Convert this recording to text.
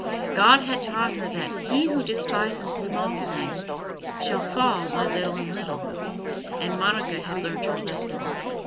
God had taught her that "he who despises small things shall fall by little and little," and Monica had learnt her lesson.